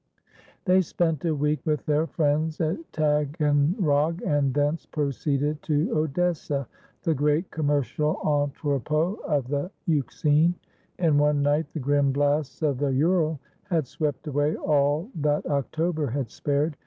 They spent a week with their friends at Taganrog, and thence proceeded to Odessa, the great commercial entrepôt of the Euxine. In one night the grim blasts of the Ural had swept away all that October had spared.